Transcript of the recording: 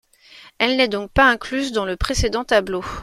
Elle n'est donc pas incluse dans le précédent tableau.